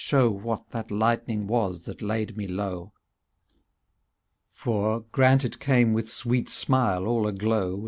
Show what that lightning was that laid me low. For, grant it came with sweet smile all aglow.